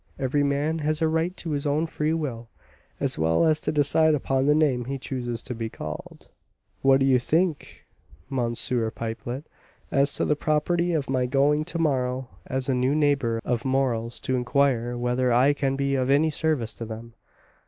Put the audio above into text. Every man has a right to his own free will, as well as to decide upon the name he chooses to be called." "What do you think, M. Pipelet, as to the propriety of my going to morrow, as a new neighbour of Morel's, to inquire whether I can be of any service to them?